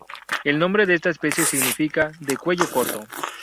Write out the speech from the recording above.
El nombre de esta especie significa "de cuello corto".